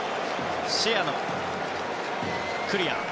シェアのクリア。